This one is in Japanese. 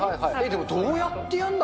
でも、どうやってやんだ？